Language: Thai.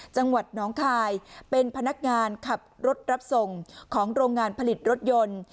จังหวัดน้องคายเป็นพนักงานขับรถรับส่งของโรงงานผลิตรถยนต์